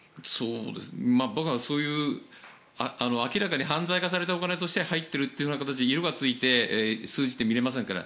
そういう明らかに犯罪化された形で入っているという形で色がついて数字って見られませんから。